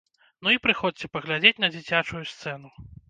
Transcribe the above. Ну, і прыходзьце паглядзець на дзіцячую сцэну.